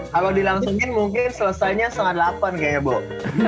kalo dilangsungin mungkin selesainya setengah delapan kayaknya boh